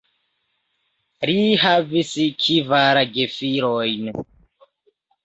Li havis kvar gefilojn.